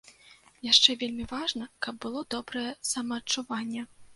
Яшчэ вельмі важна, каб было добрае самаадчуванне.